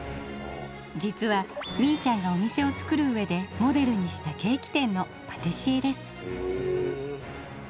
実はみいちゃんがお店をつくる上でモデルにしたケーキ店のパティシエです。